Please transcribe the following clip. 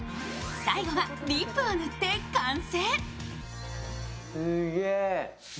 最後はリップを塗って完成。